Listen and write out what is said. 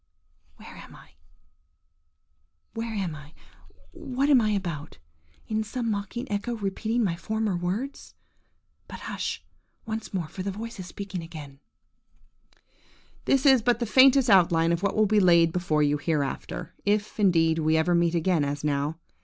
'" –Where am I?–where am I?–what am I about? Is some mocking echo repeating my former words? But, hush once more, for the voice is speaking again:– "This is but the faintest outline of what will be laid before you hereafter, if, indeed, we ever meet again as now.